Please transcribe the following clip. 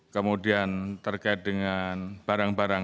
kemudian terkait dengan barang barang